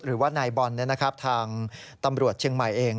หรือว่าในบอลนะครับทางตำรวจเชียงใหม่เอง